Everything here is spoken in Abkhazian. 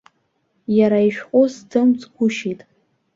Иара ишәҟәы зҭымҵгәышьеит.